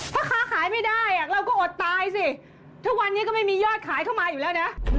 ถ้าค้าขายไม่ได้เราก็อดตายสิทุกวันนี้ก็ไม่มียอดขายเข้ามาอยู่แล้วนะ